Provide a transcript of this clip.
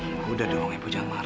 bu udah doang ibu jangan marah ibu